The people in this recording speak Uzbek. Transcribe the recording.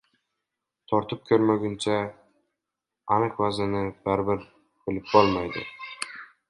– Tortib koʻrmaguncha, aniq vaznini baribir bilib boʻlmaydi.